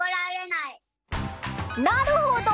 なるほど！